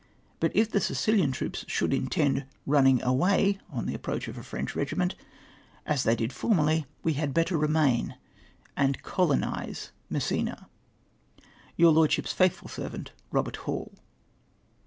But if the Sicilian troops should intend running away on the approach of a French regiment — as they did fVamerly — we had better remain and colonise at Messina. " Your Lordsliip's faithful servant, "Egbert Hall.